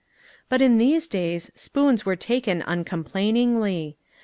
But in these days, spoons were taken uncom plainingly.